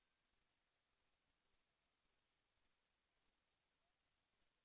แสวได้ไงของเราก็เชียนนักอยู่ค่ะเป็นผู้ร่วมงานที่ดีมาก